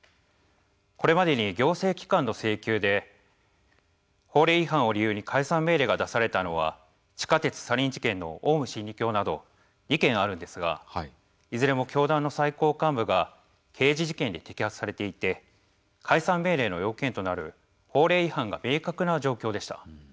これまでに行政機関の請求で法令違反を理由に解散命令が出されたのは地下鉄サリン事件のオウム真理教など２件あるんですがいずれも教団の最高幹部が刑事事件で摘発されていて解散命令の要件となる法令違反が明確な状況でした。